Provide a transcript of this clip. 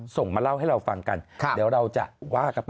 ส่งมาเล่าให้เราฟังกันเดี๋ยวเราจะว่ากันไป